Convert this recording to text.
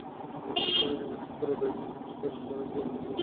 মিশ্র দ্বৈতে দ্বিতীয় এবং ফেয়ার প্লে ট্রফি অর্জন করেন ফারজানা আক্তার।